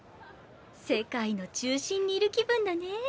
世界の中心にいる気分だね。